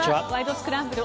スクランブル」